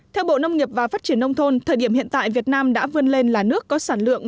theo bộ nông nghiệp và phát triển nông thôn thời điểm hiện tại việt nam đã vươn lên là nước có sản lượng